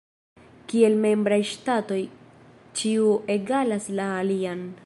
Kiel membraj ŝtatoj, ĉiu egalas la alian.